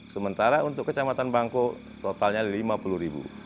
sementara untuk kecamatan bangkok totalnya lima puluh ribu